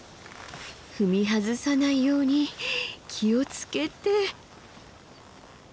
踏み外さないように気を付けて。